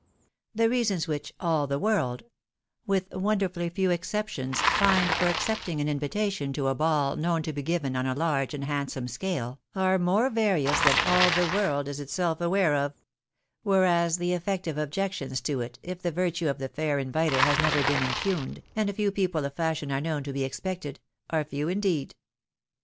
The reasons which "all the world," with wonderfully few excep tions, find for accepting an invitation to a ball known to be given on a large and handsome scale, are more various than "all the world" is itself aware of; whereas the effective objections to it, if the virtue of the fair inviter has never been impugned, and a few people of fasliion are known to be expected, are few indeed.